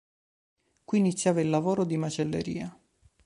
Qui iniziava il lavoro di macelleria.